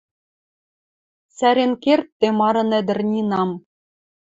Цӓрен кердде марын ӹдӹр Нинам...